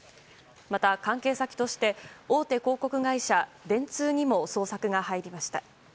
また、関係先として大手広告会社電通にも捜索が入りました。